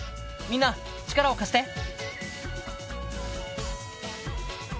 みんな力を貸して。